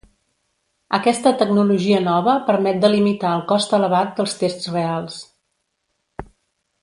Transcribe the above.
Aquesta tecnologia nova permet de limitar el cost elevat dels tests reals.